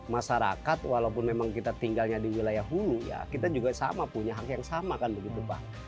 masyarakat walaupun memang kita tinggalnya di wilayah hulu ya kita juga sama punya hak yang sama kan begitu pak